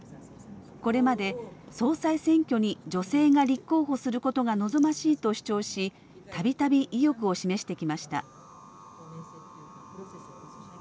これまで、総裁選挙に女性が立候補することが望ましいと主張したびたび意欲を示してきました。